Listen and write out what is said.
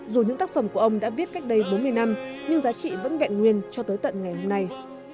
dù những tác phẩm của ông đã viết cách đây bốn mươi năm nhưng giá trị vẫn vẹn nguyên cho tới tận ngày hôm nay